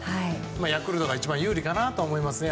ヤクルトが一番有利かなと思います。